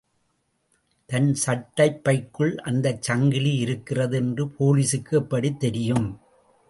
தன் சட்டைப் பைக்குள் அந்த சங்கிலி இருக்கிறது என்று போலீசுக்கு எப்படித் தெரியும்?